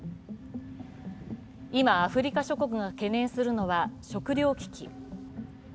今、アフリカ諸国が懸念するのが食料危機。